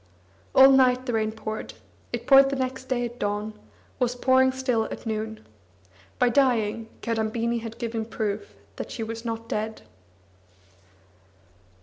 All night the rain poured; it poured next day at dawn, was pouring still at noon. By dying, Kadambini had given proof that she was not dead.